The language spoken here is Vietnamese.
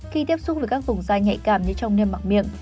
khi tiếp xúc với các vùng da nhạy cảm như trong niêm mạc miệng